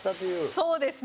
そうですね。